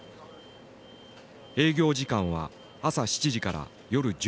営業時間は朝７時から夜１１時まで。